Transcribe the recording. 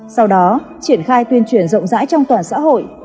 sau đó triển khai tuyên truyền rộng rãi trong toàn xã hội